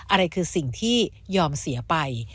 อะไรคือสิ่งที่ยอมเสียไป